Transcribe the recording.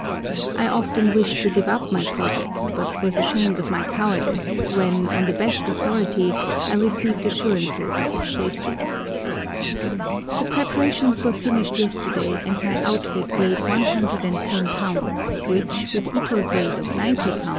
I often wished to give up my project, but was ashamed of my cowardice when, on the best authority, I received assurances of its safety. The preparations were finished yesterday, and my outfit weighed 110 lbs., which, with Ito's weight of 90 lbs.